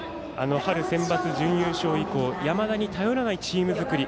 春センバツ準優勝以降山田に頼らないチーム作り